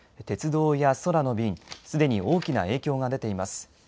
鉄道や空の便、すでに大きな影響が出ています。